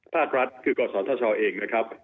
ภาครัฐคือกศธชเองนะครับ